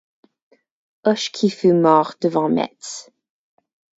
Hoche qui fut mort devant Metz !